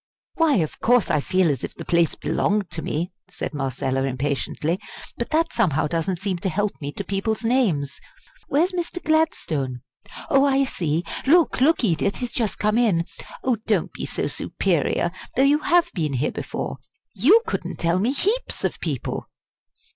"Why, of course I feel as if the place belonged to me!" said Marcella, impatiently; "but that somehow doesn't seem to help me to people's names. Where's Mr. Gladstone? Oh, I see. Look, look, Edith! he's just come in! oh, don't be so superior, though you have been here before you couldn't tell me heaps of people!"